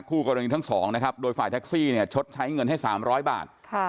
คู่กรณีทั้งสองนะครับโดยฝ่ายแท็กซี่เนี่ยชดใช้เงินให้๓๐๐บาท